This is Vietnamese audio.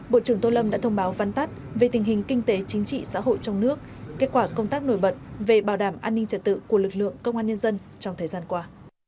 bộ trưởng tô lâm đã thông báo văn tắt về tình hình kinh tế chính trị xã hội trong nước kết quả công tác nổi bật về bảo đảm an ninh trật tự của lực lượng công an nhân dân trong thời gian qua